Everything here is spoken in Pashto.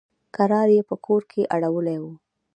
کرار يې په کور کښې اړولي وو.